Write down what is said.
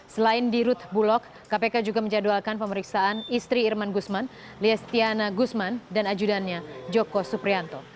selain di rut bulog kpk juga menjadwalkan pemeriksaan istri irman gusman liestiana gusman dan ajudannya joko suprianto